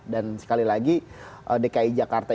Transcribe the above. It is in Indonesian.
dan sekali lagi dki jakarta